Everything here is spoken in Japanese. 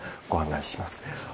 ご案内します。